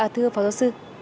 thưa phó giáo sư